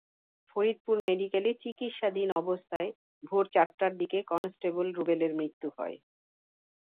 ফরিদপুর মেডিকেলে চিকিৎসাধীন অবস্থায় ভোর চারটার দিকে কনস্টেবল রুবেলের মৃত্যু হয়।